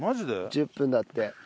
１０分だって。